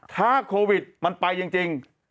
ถ้าโควิดมันไปจริง